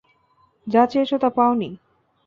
যা চেয়েছ তা পাওনি।